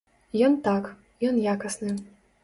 Ён так, ён якасны.